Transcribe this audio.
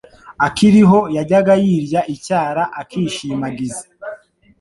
Akiriho yajyaga yirya icyara akishimagiza